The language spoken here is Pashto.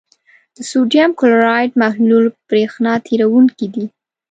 د سوډیم کلورایډ محلول برېښنا تیروونکی دی.